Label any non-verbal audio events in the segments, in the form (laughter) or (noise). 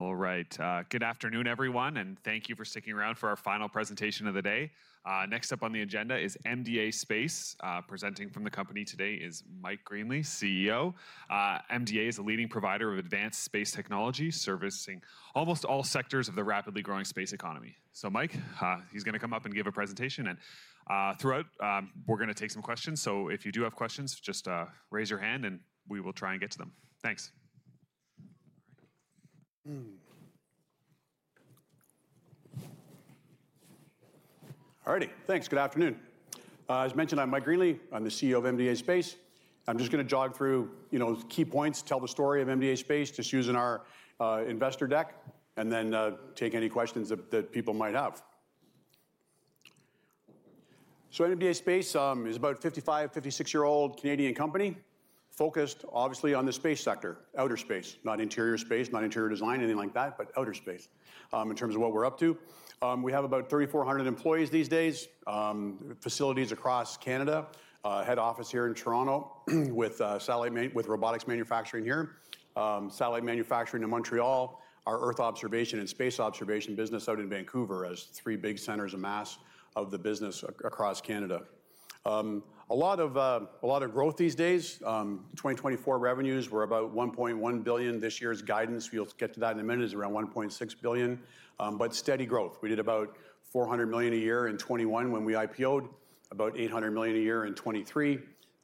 All right. Good afternoon, everyone and thank you for sticking around for our final presentation of the day. Next up on the agenda is MDA Space. Presenting from the company today is Mike Greenley, CEO. MDA is a leading provider of advanced space technology, servicing almost all sectors of the rapidly growing space economy. Mike, he's going to come up and give a presentation and throughout, we're going to take some questions. If you do have questions, just raise your hand and we will try and get to them. Thanks. Alrighty, thanks. Good afternoon. As mentioned, I'm Mike Greenley. I'm the CEO of MDA Space. I'm just going to jog through key points, tell the story of MDA Space just using our investor deck and then take any questions that people might have. MDA Space is about a 55, 56-year-old Canadian company focused obviously on the space sector, outer space, not interior space, not interior design, anything like that, but outer space. In terms of what we're up to,, we have about 3,400 employees these days, facilities across Canada, head office here in Toronto, with satellite robotics manufacturing here, satellite manufacturing in Montreal, our Earth observation and space observation business out in Vancouver, as three big centers of mass of the business across Canada. A lot of growth these days. 2024 revenues were about 1.1 billion. This year's guidance, we'll get to that in a minute, is around 1.6 billion, but steady growth. We did about 400 million a year in 2021 when we IPO'ed, about 800 million a year in 2023,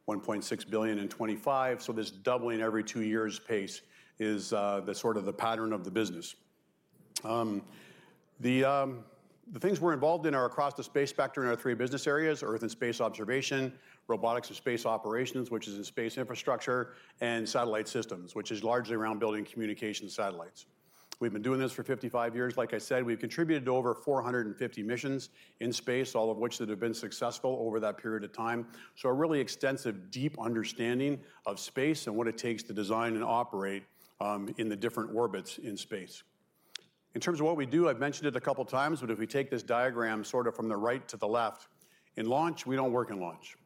1.6 billion in 2025. This doubling every two years pace is sort of the pattern of the business. The things we're involved in are across the space sector in our three business areas, Earth and space observation, robotics and space operations, which is in space infrastructure and satellite systems, which is largely around building communication satellites. We've been doing this for 55 years. Like I said, we've contributed to over 450 missions in space, all of which have been successful over that period of time. A really extensive, deep understanding of space, and what it takes to design and operate in the different orbits in space. In terms of what we do, I've mentioned it a couple of times, but if we take this diagram sort of from the right to the left, in launch, we do not work in launch.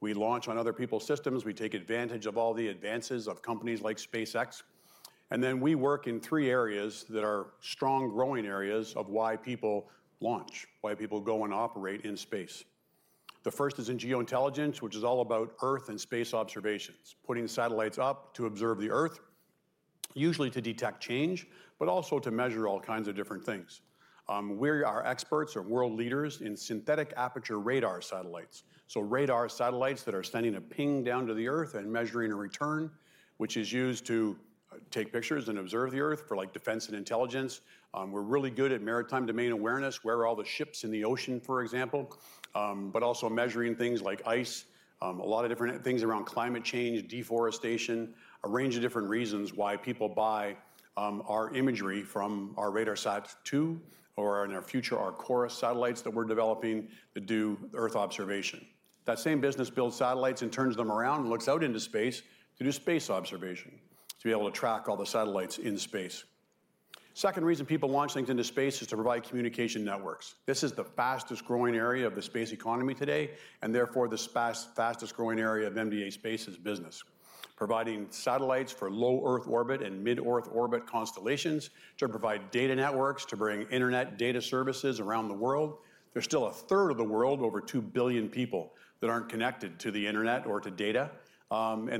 We launch on other people's systems. We take advantage of all the advances of companies like SpaceX. We work in three areas that are strong growing areas of why people launch, why people go and operate in space. The first is in geointelligence, which is all about Earth and space observations, putting satellites up to observe the Earth, usually to detect change, but also to measure all kinds of different things. We are experts or world leaders in synthetic aperture radar satellites, so radar satellites that are sending a ping down to the Earth and measuring a return, which is used to take pictures and observe the Earth for defense and intelligence. We're really good at maritime domain awareness, where are all the ships in the ocean, for example,? Also, measuring things like ice, a lot of different things around climate change, deforestation, a range of different reasons why people buy our imagery from our radar sats too, or in our future, our CHORUS satellites that we're developing to do Earth observation. That same business builds satellites and turns them around, and looks out into space to do space observation, to be able to track all the satellites in space. Second reason people launch things into space is to provide communication networks. This is the fastest growing area of the space economy today, and therefore the fastest growing area of MDA Space's business, providing satellites for low Earth orbit and mid-Earth orbit constellations to provide data networks, to bring internet data services around the world. There's still 1/3 of the world, over 2 billion people, that aren't connected to the internet or to data.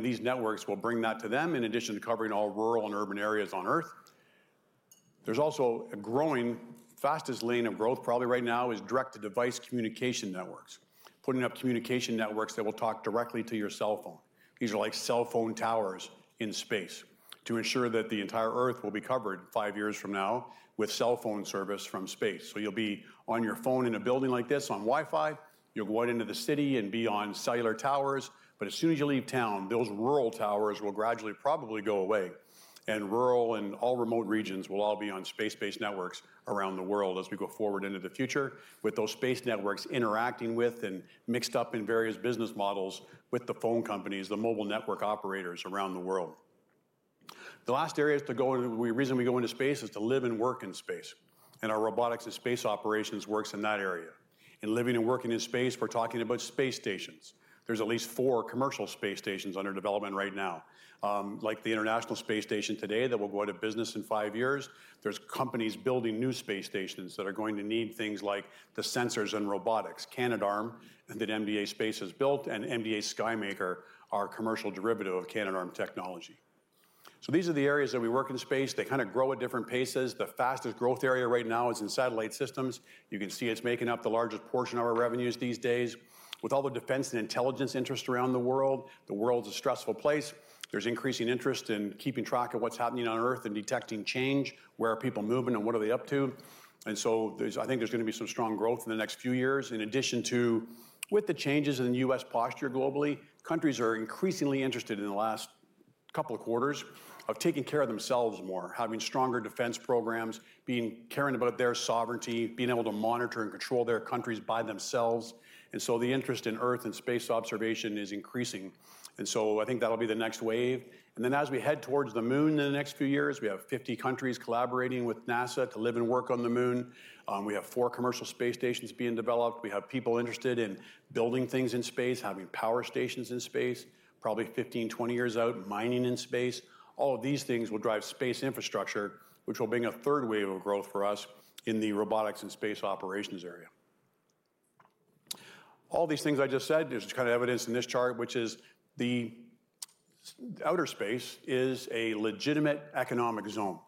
These networks will bring that to them, in addition to covering all rural and urban areas on Earth. There's also a growing fastest lane of growth, probably right now it's direct-to-device communication networks, putting up communication networks that will talk directly to your cell phone. These are like cell phone towers in space to ensure that the entire Earth will be covered five years from now with cell phone service from space. You'll be on your phone in a building like this on Wi-Fi. You'll go out into the city and be on cellular towers. As soon as you leave town, those rural towers will gradually probably go away, and rural and all remote regions will all be on space-based networks around the world, as we go forward into the future with those space networks interacting with and mixed up in various business models with the phone companies, the mobile network operators around the world. The last area, the reason we go into space is to live and work in space, and our robotics and space operations works in that area. In living and working in space, we're talking about space stations. There's at least four commercial space stations under development right now, like the International Space Station today, that will go out of business in five years. There's companies building new space stations that are going to need things like the sensors and robotics, Canadarm that MDA Space has built, and MDA SKYMAKER are a commercial derivative of Canadarm technology. These are the areas that we work in space. They kind of grow at different paces. The fastest growth area right now is in satellite systems. You can see it's making up the largest portion of our revenues these days. With all the defense and intelligence interests around the world, the world's a stressful place. There's increasing interest in keeping track of what's happening on Earth and detecting change, where are people moving and what are they up to? I think there's going to be some strong growth in the next few years. In addition to, with the changes in the U.S. posture globally, countries are increasingly interested in the last couple of quarters of taking care of themselves more, having stronger defense programs, caring about their sovereignty, being able to monitor and control their countries by themselves. The interest in Earth and space observation is increasing. I think that'll be the next wave. As we head towards the moon in the next few years, we have 50 countries collaborating with NASA to live and work on the moon. We have four commercial space stations being developed. We have people interested in building things in space, having power stations in space, probably 15-20 years out, mining in space. All of these things will drive space infrastructure, which will bring 1/3 wave of growth for us in the robotics and space operations area. All these things I just said is just kind of evidenced in this chart, which is, the outer space is a legitimate economic zone.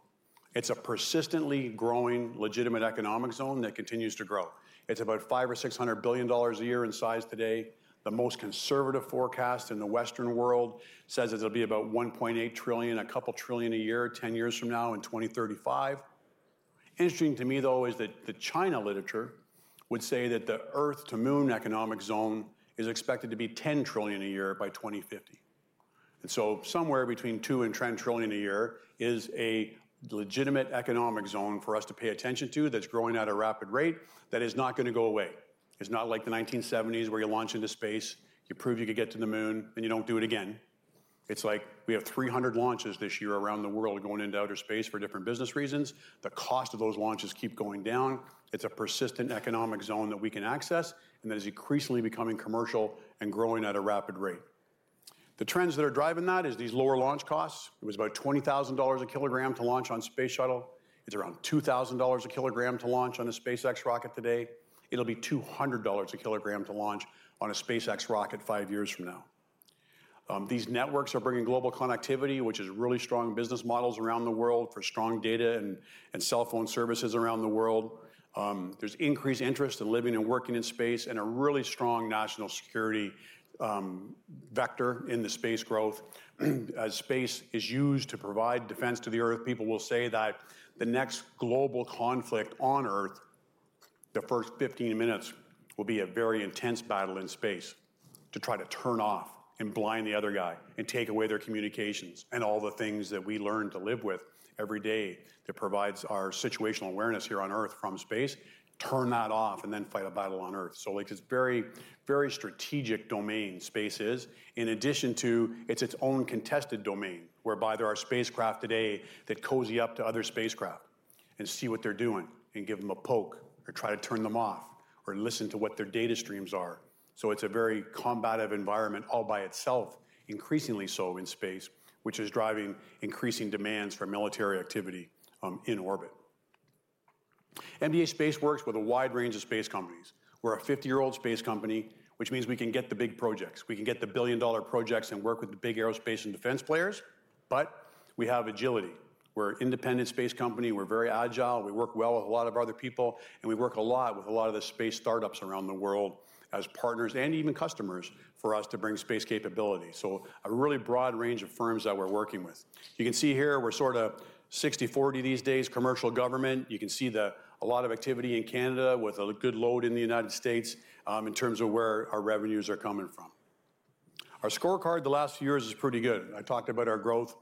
It's a persistently growing legitimate economic zone that continues to grow. It's about $500 billion or $600 billion a year in size today. The most conservative forecast in the Western world says it'll be about $1.8 trillion, a couple trillion a year 10 years from now, in 2035. Interesting to me though, is that the China literature would say that the Earth-to-moon economic zone is expected to be $10 trillion a year by 2050. Somewhere between $2 trillion and $10 trillion a year is a legitimate economic zone for us to pay attention to, that's growing at a rapid rate, that is not going to go away. It's not like the 1970s where you launch into space, you prove you could get to the moon and you don't do it again. It's like, we have 300 launches this year around the world going into outer space for different business reasons. The cost of those launches keeps going down. It's a persistent economic zone that we can access, and that is increasingly becoming commercial and growing at a rapid rate. The trends that are driving that are these lower launch costs. It was about $20,000 a kilogram to launch on Space Shuttle. It's around $2,000 a kilogram to launch on a SpaceX rocket today. It'll be $200 a kilogram to launch on a SpaceX rocket five years from now. These networks are bringing global connectivity, which is really strong business models around the world for strong data and cell phone services around the world. There's increased interest in living and working in space, and a really strong national security vector in the space growth. As space is used to provide defense to the Earth, people will say that the next global conflict on Earth, the first 15 minutes will be a very intense battle in space to try to turn off and blind the other guy, and take away their communications and all the things that we learn to live with every day that provides our situational awareness here on Earth from space, turn that off and then fight a battle on Earth. It's a very, very strategic domain space is, in addition to its own contested domain, whereby there are spacecraft today that cozy up to other spacecraft and see what they're doing, and give them a poke or try to turn them off or listen to what their data streams are. It's a very combative environment all by itself, increasingly so in space, which is driving increasing demands for military activity in orbit. MDA Space works with a wide range of space companies. We're a 50-year-old space company, which means we can get the big projects. We can get the billion-dollar projects and work with the big aerospace and defense players, but we have agility. We're an independent space company. We're very agile. We work well with a lot of other people, and we work a lot with a lot of the space startups around the world as partners and even customers for us to bring space capability, so a really broad range of firms that we're working with. You can see here we're sort of 60/40 these days, commercial, government. You can see a lot of activity in Canada, with a good load in the United States in terms of where our revenues are coming from. Our scorecard the last few years is pretty good. I talked about our growth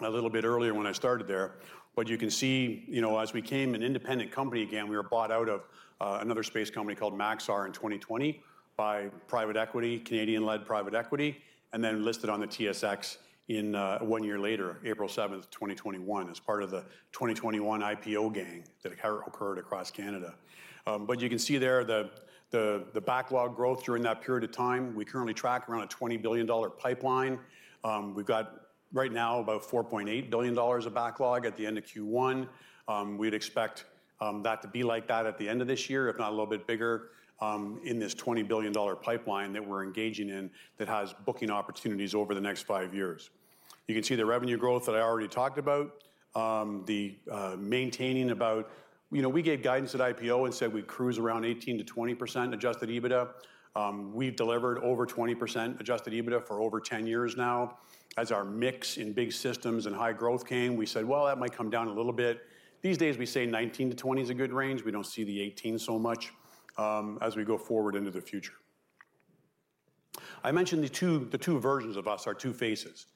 a little bit earlier when I started there, but you can see as we became an independent company again, we were bought out of another space company called Maxar in 2020 by a Canadian-led private equity, and then listed on the TSX one year later, April 7th, 2021, as part of the 2021 IPO gang that occurred across Canada. You can see there, the backlog growth during that period of time. We currently track around a 20 billion dollar pipeline. We have right now about 4.8 billion dollars of backlog at the end of Q1. We would expect that to be like that at the end of this year, if not a little bit bigger, in this 20 billion dollar pipeline that we are engaging in that has booking opportunities over the next five years. You can see the revenue growth that I already talked about. We gave guidance at IPO, and said we'd cruise around 18%-20% adjusted EBITDA. We've delivered over 20% adjusted EBITDA for over 10 years now. As our mix in big systems and high growth came, we said, "Well, that might come down a little bit." These days, we say 19%-20% is a good range. We don't see the 18% so much as we go forward into the future. I mentioned the two versions of us, our two faces,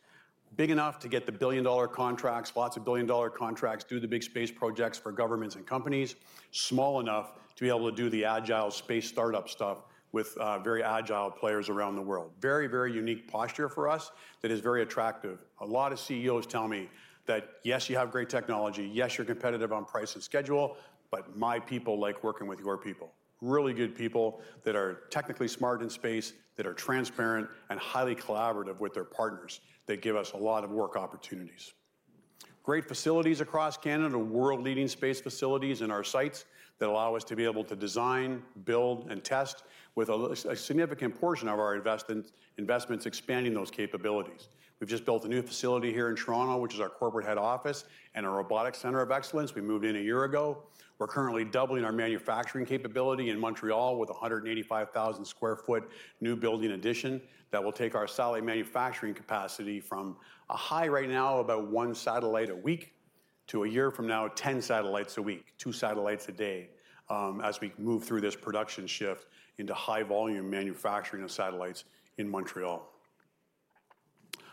big enough to get the billion-dollar contracts, lots of billion-dollar contracts, do the big space projects for governments and companies, small enough to be able to do the agile space startup stuff with very agile players around the world. Very, very unique posture for us that is very attractive. A lot of CEOs tell me that, "Yes, you have great technology. Yes, you're competitive on price and schedule, but my people like working with your people." Really good people that are technically smart in space, that are transparent and highly collaborative with their partners, that give us a lot of work opportunities. Great facilities across Canada, world-leading space facilities in our sites that allow us to be able to design, build, and test with a significant portion of our investments expanding those capabilities. We've just built a new facility here in Toronto, which is our corporate head office and a robotics center of excellence. We moved in a year ago. We're currently doubling our manufacturing capability in Montreal with a 185,000 sq ft new building addition, that will take our satellite manufacturing capacity from a high right now of about one satellite a week to a year from now, 10 satellites a week, two satellites a day as we move through this production shift into high volume manufacturing of satellites in Montreal.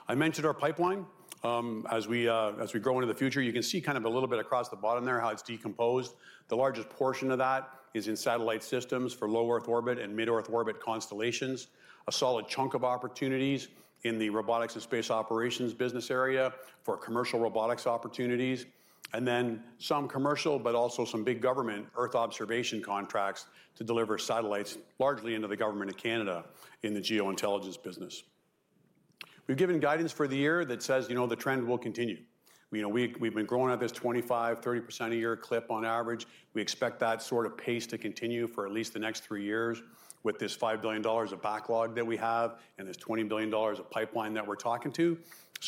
I mentioned our pipeline. As we grow into the future, you can see kind of a little bit across the bottom there how it's decomposed. The largest portion of that is in satellite systems for low Earth orbit and mid-Earth orbit constellations, a solid chunk of opportunities in the robotics and space operations business area for commercial robotics opportunities, and then some commercial, but also some big government Earth observation contracts to deliver satellites largely into the Government of Canada in the geointelligence business. We've given guidance for the year that says the trend will continue. We've been growing at this 25%-30% a year clip on average. We expect that sort of pace to continue for at least the next three years, with this $5 billion of backlog that we have and this $20 billion of pipeline that we're talking to.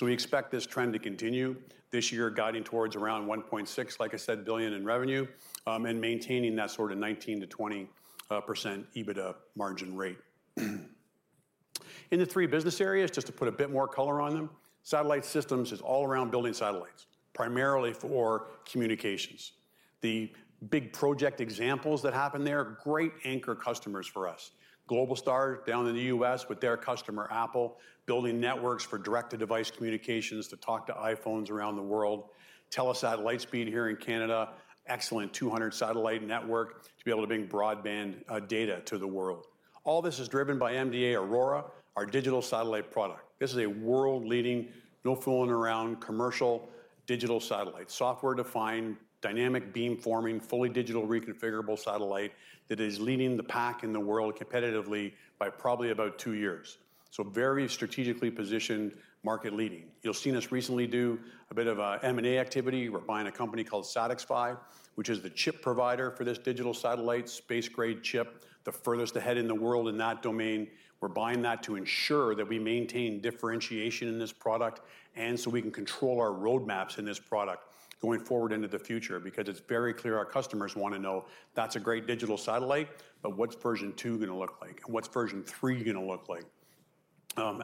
We expect this trend to continue this year, guiding towards around $1.6 billion, like I said, in revenue and maintaining that sort of 19%-20% EBITDA margin rate. In the three business areas, just to put a bit more color on them, satellite systems is all around building satellites, primarily for communications. The big project examples that happen there are great anchor customers for us. Globalstar down in the U.S., with their customer Apple building networks for direct-to-device communications to talk to iPhones around the world, Telesat Lightspeed here in Canada, excellent 200-satellite network to be able to bring broadband data to the world. All this is driven by MDA AURORA, our digital satellite product. This is a world-leading, no fooling around, commercial digital satellite, software-defined, dynamic beamforming, fully digital reconfigurable satellite that is leading the pack in the world competitively by probably about two years, so very strategically positioned, market-leading. You've seen us recently do a bit of M&A activity. We're buying a company called SatixFy, which is the chip provider for this digital satellite, space-grade chip, the furthest ahead in the world in that domain. We're buying that to ensure that we maintain differentiation in this product, and so we can control our roadmaps in this product going forward into the future because it's very clear our customers want to know that's a great digital satellite, but what's version two going to look like and what's version three going to look like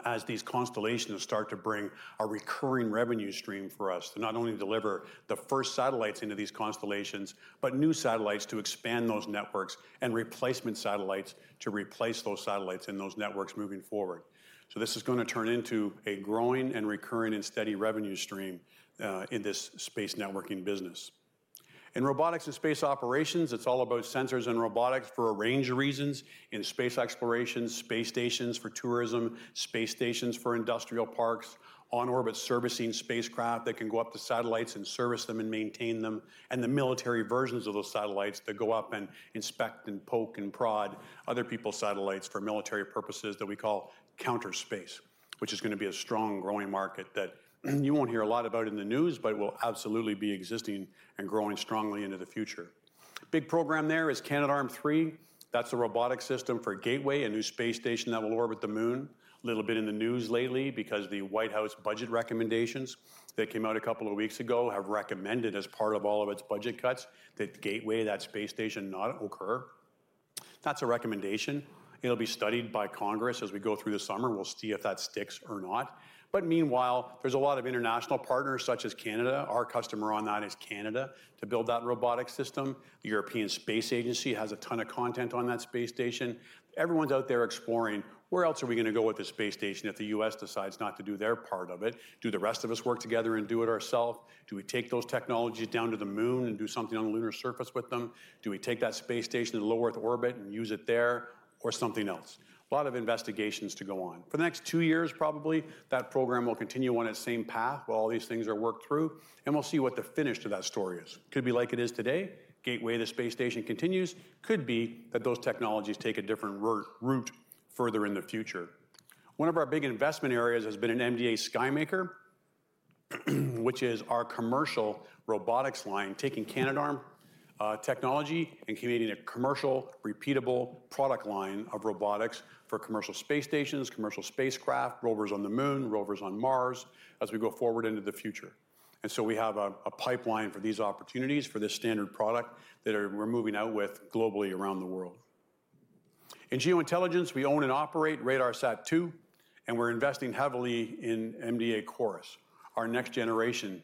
as these constellations start to bring a recurring revenue stream for us to? Not only deliver the first satellites into these constellations, but new satellites to expand those networks and replacement satellites to replace those satellites in those networks moving forward. This is going to turn into a growing and recurring, and steady revenue stream in this space networking business. In robotics and space operations, it's all about sensors and robotics for a range of reasons in space exploration, space stations for tourism, space stations for industrial parks, on-orbit servicing spacecraft that can go up to satellites and service them and maintain them, and the military versions of those satellites that go up and inspect and poke, and prod other people's satellites for military purposes that we call counter space, which is going to be a strong growing market that you won't hear a lot about in the news, but will absolutely be existing and growing strongly into the future. Big program there is Canadarm3. That's a robotic system for Gateway, a new space station that will orbit the moon. A little bit in the news lately, because the White House budget recommendations that came out a couple of weeks ago have recommended as part of all of its budget cuts, that Gateway, that space station, not occur. That's a recommendation. It'll be studied by Congress as we go through the summer. We'll see if that sticks or not. Meanwhile, there's a lot of international partners such as Canada. Our customer on that is Canada, to build that robotic system. The European Space Agency has a ton of content on that space station. Everyone's out there exploring, where else are we going to go with the space station if the U.S. decides not to do their part of it, do the rest of us work together and do it ourselves? Do we take those technologies down to the moon and do something on the lunar surface with them? Do we take that space station to low Earth orbit and use it there, or something else? A lot of investigations to go on. For the next two years, probably that program will continue on its same path while all these things are worked through, and we'll see what the finish to that story is. Could be like it is today, Gateway, the space station continues. Could be that those technologies take a different route further in the future. One of our big investment areas has been in MDA SKYMAKER, which is our commercial robotics line, taking Canadarm technology and creating a commercial, repeatable product line of robotics for commercial space stations, commercial spacecraft, rovers on the moon, rovers on Mars as we go forward into the future. We have a pipeline for these opportunities for this standard product that we're moving out with globally around the world. In geointelligence, we own and operate RADARSAT-2, and we're investing heavily in MDA Chorus, our next-generation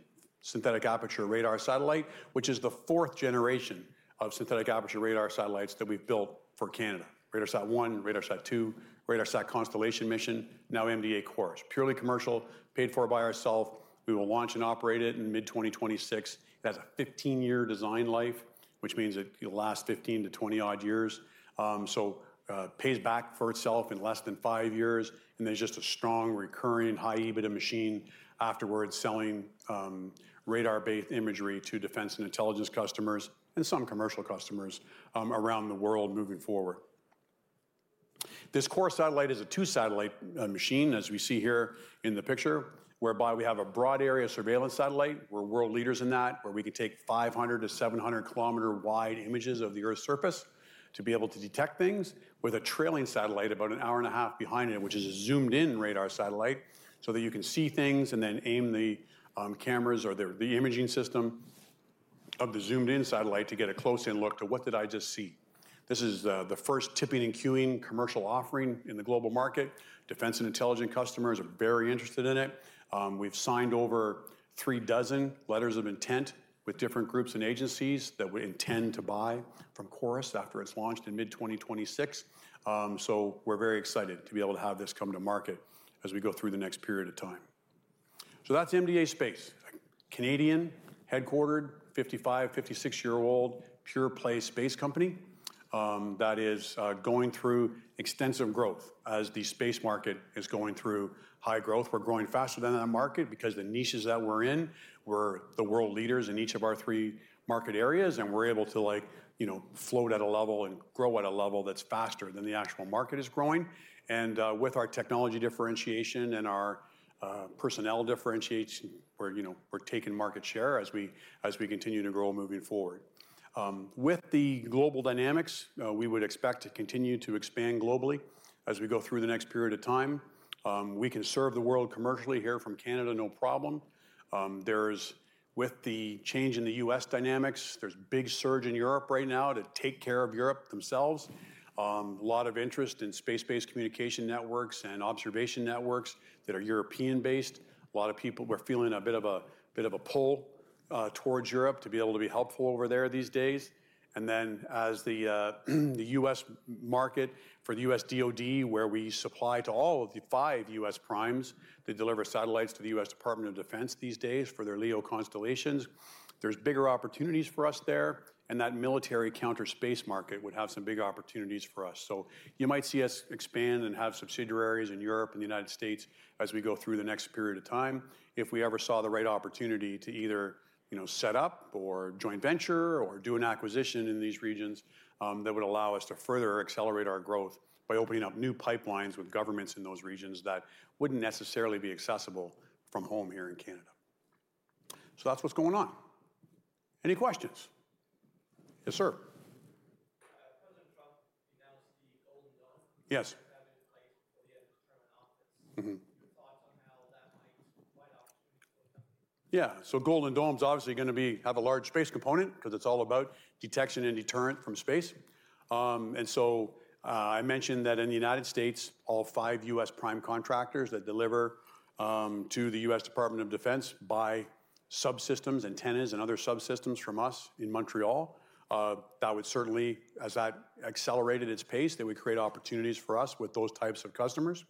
synthetic aperture radar satellite, which is the fourth generation of synthetic aperture radar satellites that we've built for Canada. RADARSAT-1, RADARSAT-2, RADARSAT Constellation Mission, now MDA CHORUS, purely commercial, paid for by ourselves. We will launch and operate it in mid-2026. It has a 15-year design life, which means it'll last 15-20-odd years. It pays back for itself in less than five years. There is just a strong recurring high EBITDA machine afterwards, selling radar-based imagery to defense and intelligence customers and some commercial customers around the world moving forward. This CHORUS satellite is a two-satellite machine, as we see here in the picture, whereby we have a broad area surveillance satellite. We're world leaders in that, where we can take 500-700 km-wide images of the Earth's surface, to be able to detect things with a trailing satellite about an hour and a half behind it, which is a zoomed-in radar satellite, so that you can see things and then aim the cameras or the imaging system of the zoomed-in satellite to get a close-in look to, what did I just see? This is the first tipping and queuing commercial offering in the global market. Defense and intelligent customers are very interested in it. We've signed over three dozen letters of intent, with different groups and agencies that would intend to buy from CHORUS after it's launched in mid-2026. We're very excited to be able to have this come to market as we go through the next period of time. That's MDA Space, a Canadian-headquartered, 55, 56-year-old pure-play space company that is going through extensive growth, as the space market is going through high growth. We're growing faster than that market because the niches that we're in, we're the world leaders in each of our three market areas. We're able to float at a level and grow at a level that's faster than the actual market is growing. With our technology differentiation and our personnel differentiation, we're taking market share as we continue to grow moving forward. With the global dynamics, we would expect to continue to expand globally as we go through the next period of time. We can serve the world commercially here from Canada, no problem. With the change in the U.S. dynamics, there's a big surge in Europe right now to take care of Europe themselves. A lot of interest in space-based communication networks and observation networks that are European-based. A lot of people, we're feeling a bit of a pull towards Europe to be able to be helpful over there these days. As the U.S. market for the U.S. DOD, where we supply to all of the five U.S. primes, they deliver satellites to the U.S. Department of Defense these days for their Leo constellations. There are bigger opportunities for us there, and that military counter-space market would have some big opportunities for us. You might see us expand and have subsidiaries in Europe and the United States as we go through the next period of time. If we ever saw the right opportunity to either set up or joint venture or do an acquisition in these regions, that would allow us to further accelerate our growth, by opening up new pipelines with governments in those regions that would not necessarily be accessible from home here in Canada. That is what is going on. Any questions? Yes, sir. (audio distortion) Yes. (audio distortion) Yeah. Golden Dome is obviously going to have a large space component because it is all about detection and deterrent from space. I mentioned that in the United States, all five U.S. prime contractors that deliver to the U.S. Department of Defense buy subsystems and [tenants], and other subsystems from us in Montreal. That would certainly, as that accelerated its pace, create opportunities for us with those types of customers.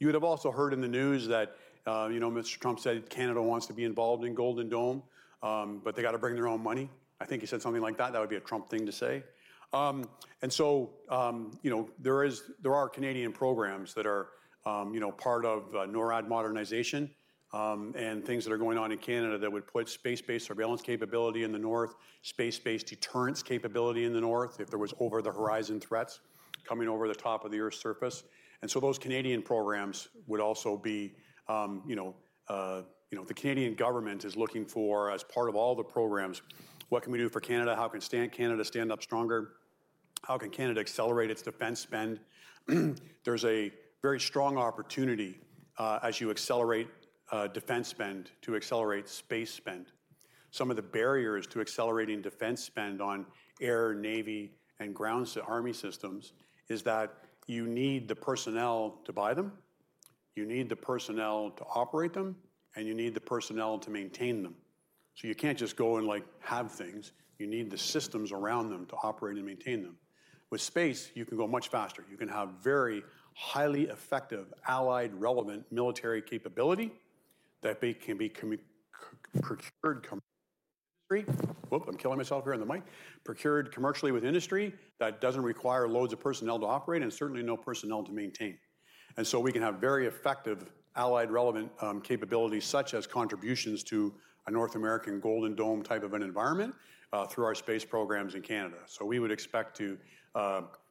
You would have also heard in the news that Mr. Trump said Canada wants to be involved in Golden Dome, but they got to bring their own money. I think he said something like that. That would be a Trump thing to say. There are Canadian programs that are part of NORAD modernization, and things that are going on in Canada that would put space-based surveillance capability in the north, space-based deterrence capability in the north if there was over-the-horizon threats coming over the top of the Earth's surface. Those Canadian programs would also be, the Canadian Government is looking for, as part of all the programs, what can we do for Canada? How can Canada stand up stronger? How can Canada accelerate its defense spend? There's a very strong opportunity as you accelerate defense spend to accelerate space spend. Some of the barriers to accelerating defense spend on air, navy, and ground army systems, is that you need the personnel to buy them. You need the personnel to operate them, and you need the personnel to maintain them. You can't just go and have things. You need the systems around them to operate and maintain them. With space, you can go much faster. You can have very highly effective allied relevant military capability that can be [procured]. Whoop, I'm killing myself here on the mic. Procured commercially with industry, that doesn't require loads of personnel to operate and certainly no personnel to maintain. We can have very effective allied relevant capabilities, such as contributions to a North American Golden Dome type of an environment through our space programs in Canada. We would expect to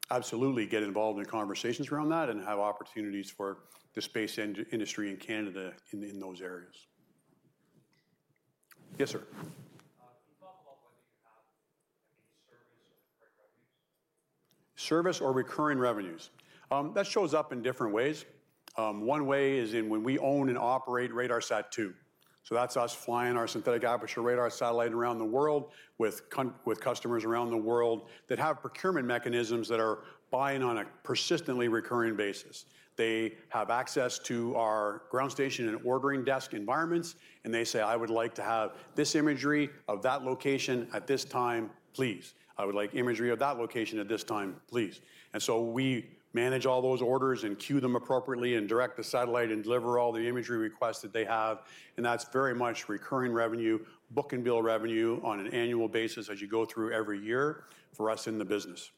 absolutely get involved in conversations around that, and have opportunities for the space industry in Canada in those areas. Yes, sir. (audio distortion) Service or recurring revenues, that shows up in different ways. One way is in when we own and operate RADARSAT-2. That's us flying our synthetic aperture radar satellite around the world, with customers around the world that have procurement mechanisms that are buying on a persistently recurring basis. They have access to our ground station and ordering desk environments, and they say, "I would like to have this imagery of that location at this time, please. I would like imagery of that location at this time, please." We manage all those orders and queue them appropriately, and direct the satellite and deliver all the imagery requests that they have. That is very much recurring revenue, book-and-bill revenue on an annual basis as you go through every year, for us in the business.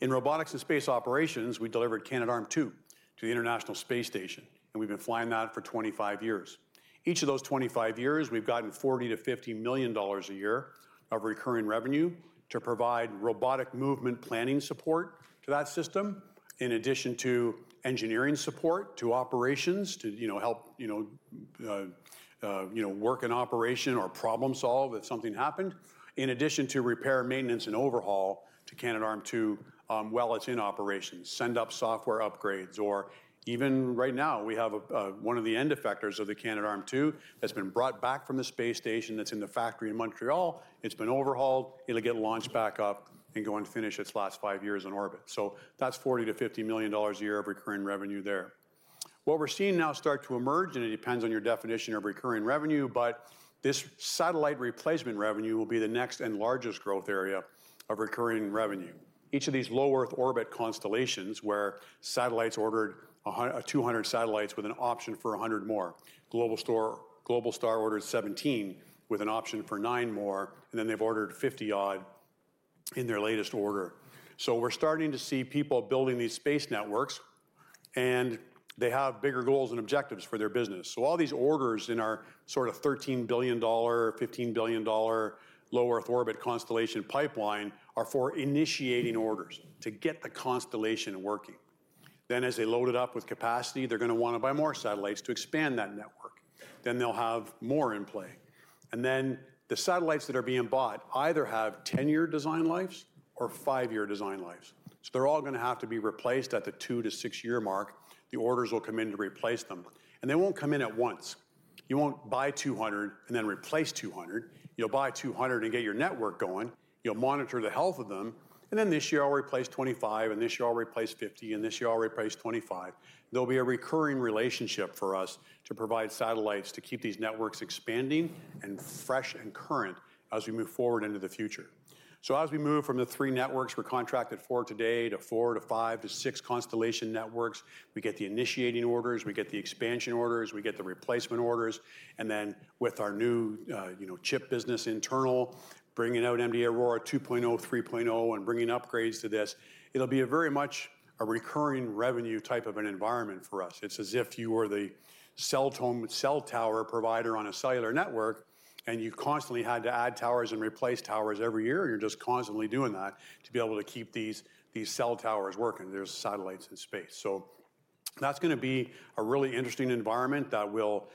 In robotics and space operations, we delivered Canadarm2 to the International Space Station and we have been flying that for 25 years. Each of those 25 years, we have gotten 40 million-50 million dollars a year of recurring revenue, to provide robotic movement planning support to that system in addition to engineering support to operations, to help work in operation or problem-solve if something happened, in addition to repair, maintenance, and overhaul to Canadarm2 while it is in operations, send up software upgrades. Even right now, we have one of the end effectors of the Canadarm2 that has been brought back from the space station that is in the factory in Montreal. It has been overhauled. It'll get launched back up, and go and finish its last five years in orbit. That's $40 million-$50 million a year of recurring revenue there. What we're seeing now start to emerge, and it depends on your definition of recurring revenue, but this satellite replacement revenue will be the next and largest growth area of recurring revenue. Each of these low Earth orbit constellations were, satellites ordered 200 satellites with an option for 100 more. Globalstar ordered 17 with an option for 9 more, and then they've ordered 50-odd in their latest order. We're starting to see people building these space networks, and they have bigger goals and objectives for their business. All these orders in our sort of $13 billion-$15 billion low Earth orbit constellation pipeline are for initiating orders to get the constellation working. As they load it up with capacity, they're going to want to buy more satellites to expand that network, then they'll have more in play. The satellites that are being bought either have 10-year design lives or 5-year design lives. They're all going to have to be replaced at the two to six-year mark. The orders will come in to replace them. They won't come in at once. You won't buy 200 and then replace 200. You'll buy 200 and get your network going. You'll monitor the health of them, and this year I'll replace 25, this year I'll replace 50 and this year I'll replace 25. There'll be a recurring relationship for us to provide satellites, to keep these networks expanding and fresh and current as we move forward into the future. As we move from the three networks we're contracted for today, to four to five to six constellation networks, we get the initiating orders, we get the expansion orders, we get the replacement orders. With our new chip business internal, bringing out MDA AURORA 2.0, 3.0 and bringing upgrades to this, it'll be very much a recurring revenue type of an environment for us. It's as if you were the cell tower provider on a cellular network, and you constantly had to add towers and replace towers every year, and you're just constantly doing that to be able to keep these cell towers working nd there are satellites in space. That's going to be a really interesting environment that will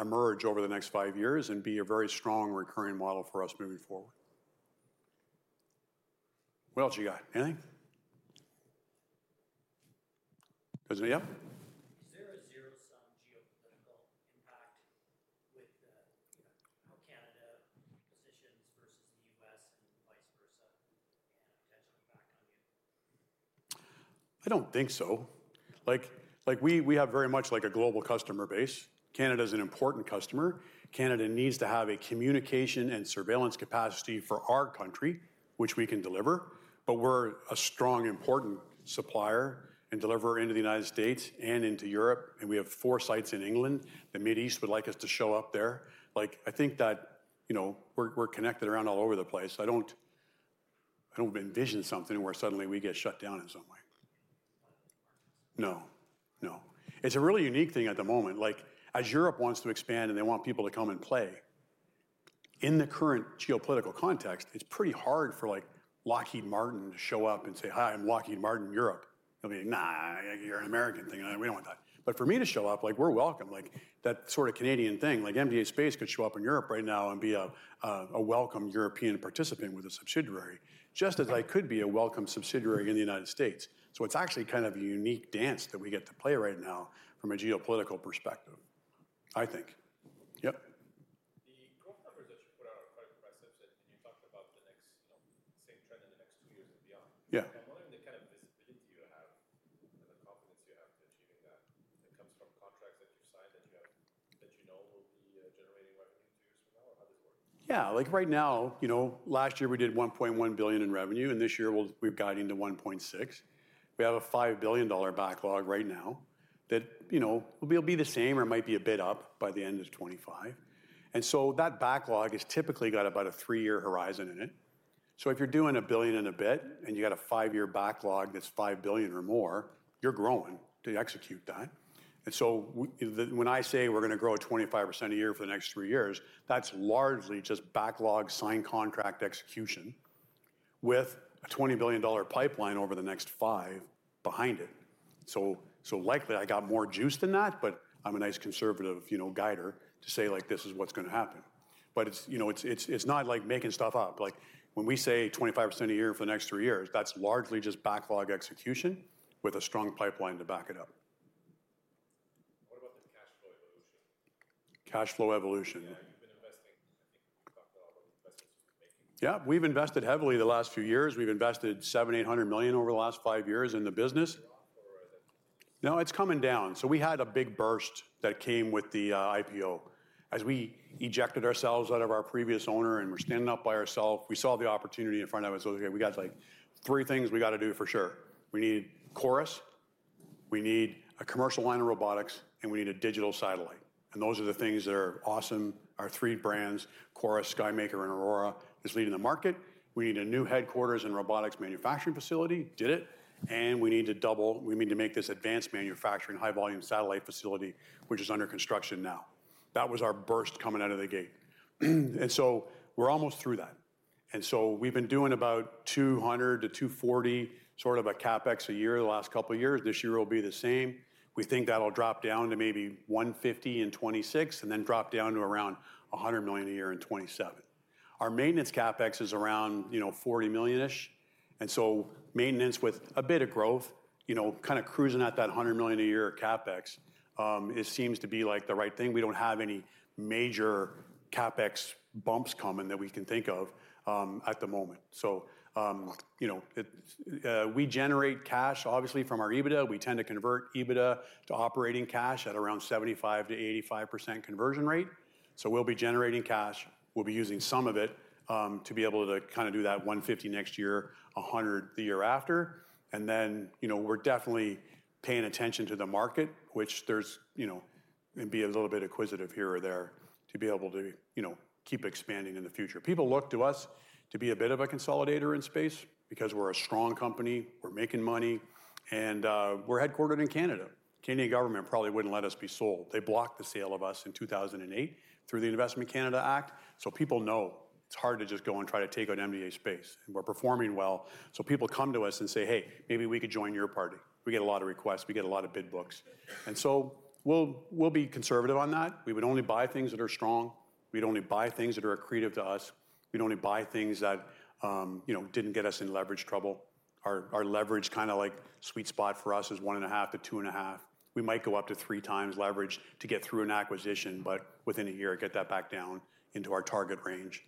emerge over the next five years, and be a very strong recurring model for us moving forward. What else do you got, anything? Yep. Is there a zero-sum geopolitical impact with how Canada positions versus the U.S. and vice versa, and potential impact on you? I don't think so. We have very much a global customer base. Canada is an important customer. Canada needs to have a communication and surveillance capacity for our country, which we can deliver. We are a strong, important supplier, and deliverer into the U.S. and into Europe. We have four sites in England. The Middle East would like us to show up there. I think that we're connected around all over the place. I don't envision something where suddenly we get shut down in some way. No, it's a really unique thing at the moment. As Europe wants to expand and they want people to come and play, in the current geopolitical context, it's pretty hard for Right now, last year we did 1.1 billion in revenue, and this year we've gotten into 1.6 billion. We have a 5 billion dollar backlog right now that will be the same or might be a bit up by the end of 2025. That backlog has typically got about a three-year horizon in it. If you're doing a billion and a bit and you got a three-year backlog that's 5 billion or more, you're growing to execute that. When I say we're going to grow 25% a year for the next three years, that's largely just backlog signed contract execution with a $20 billion pipeline over the next five behind it. Likely, I got more juice than that, but I'm a nice conservative guider to say this is what's going to happen. It's not like making stuff up. When we say 25% a year for the next three years, that's largely just backlog execution with a strong pipeline to back it up. What about the cash flow evolution? Cash flow evolution. (audio distortion) Yeah. We've invested heavily the last few years. We've invested 7,800 million over the last five years in the business. Now it's coming down. We had a big burst that came with the IPO. As we ejected ourselves out of our previous owner and were standing up by ourself, we saw the opportunity in front of us. We got three things we got to do for sure. We needed CHORUS. We need a commercial line of robotics, and we need a digital satellite. And those are the things that are awesome. Our three brands, CHORUS, SKYMAKER, and AURORA is leading the market. We need a new headquarters and robotics manufacturing facility. Did it. We need to make this advanced manufacturing high-volume satellite facility, which is under construction now. That was our burst coming out of the gate. We are almost through that. We have been doing about 200 million-240 million sort of a CapEx a year the last couple of years. This year will be the same. We think that'll drop down to maybe 150 million in 2026, and then drop down to around 100 million a year in 2027. Our maintenance CapEx is around 40 million-ish. Maintenance with a bit of growth, kind of cruising at that 100 million a year CapEx, it seems to be the right thing. We do not have any major CapEx bumps coming that we can think of at the moment. We generate cash obviously from our EBITDA. We tend to convert EBITDA to operating cash at around 75%-85% conversion rate. We will be generating cash. We will be using some of it to be able to kind of do that 150 million next year, 100 million the year after. We are definitely paying attention to the market, which there is and be a little bit acquisitive here or there, to be able to keep expanding in the future. People look to us to be a bit of a consolidator in space because we're a strong company. We're making money, and we're headquartered in Canada. The Canadian Government probably wouldn't let us be sold. They blocked the sale of us in 2008 through the Investment Canada Act. People know it's hard to just go and try to take on MDA Space. We're performing well. People come to us and say, "Hey, maybe we could join your party." We get a lot of requests. We get a lot of bid books. We'll be conservative on that. We would only buy things that are strong. We'd only buy things that are accretive to us. We'd only buy things that didn't get us in leverage trouble. Our leverage, kind of like sweet spot for us, is one and a half to two and a half. We might go up to three times leverage to get through an acquisition, but within a year, get that back down into our target range.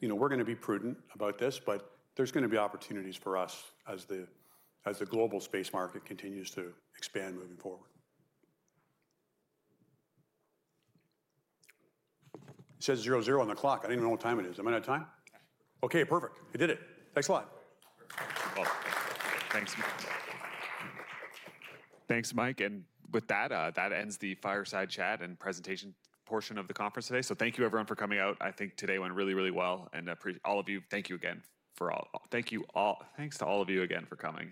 We are going to be prudent about this, but there are going to be opportunities for us as the global space market continues to expand moving forward. It says zero zero on the clock. I do not even know what time it is. Am I out of time? (audio distortion) Okay, perfect. I did it. Thanks a lot. (audio distortion) Thanks, Mike. With that, that ends the fireside chat and presentation portion of the conference today. Thank you, everyone, for coming out. I think today went really, really well. (audio distortion) thanks to all of you again for coming.